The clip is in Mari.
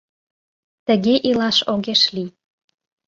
Тыге илаш огеш лий.